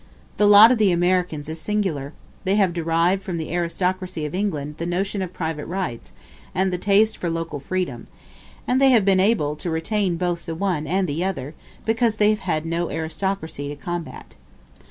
The lot of the Americans is singular: they have derived from the aristocracy of England the notion of private rights and the taste for local freedom; and they have been able to retain both the one and the other, because they have had no aristocracy to combat.